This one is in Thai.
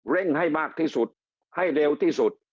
ให้มากที่สุดให้เร็วที่สุด